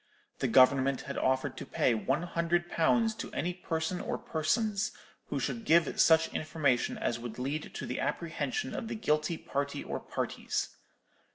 The Government had offered to pay one hundred pounds to any person or persons who should give such information as would lead to the apprehension of the guilty party or parties.